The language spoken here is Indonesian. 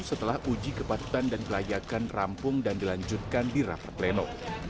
setelah uji kepatutan dan kelayakan rampung dan dilanjutkan di rapat pleno